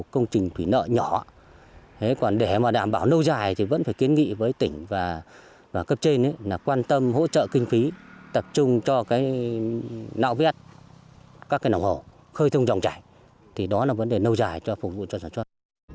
công trình được phân loại là các công trình bị hư hỏng hoàn toàn không còn khả năng điều phối thủy lợi khi mùa mưa đến